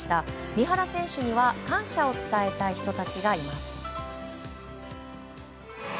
三原選手には感謝を伝えたい人たちがいます。